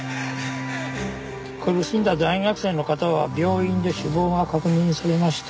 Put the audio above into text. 苦しんだ大学生の方は病院で死亡が確認されました。